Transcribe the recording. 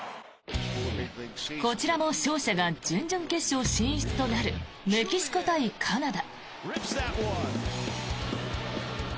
こちらも勝者が準々決勝進出となるメキシコ対カナダ。